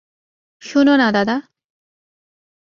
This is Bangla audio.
শুনো না দাদা।